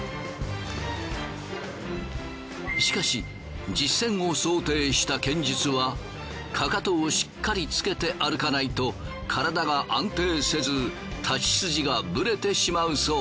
しかし実戦を想定した剣術はかかとをしっかりつけて歩かないと体が安定せず太刀筋がぶれてしまうそう。